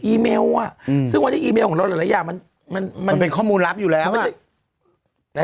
ซึ่งวันนี้อีเมลของเราหลายอย่างมันมันเป็นข้อมูลลับอยู่แล้ว